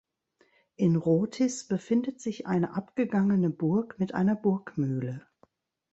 In Rotis befindet sich eine abgegangene Burg mit einer Burgmühle.